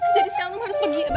jadi sekarang saya harus pergi ba